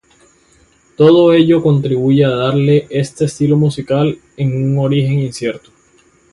Todo ello contribuye a darle a este estilo musical un origen incierto.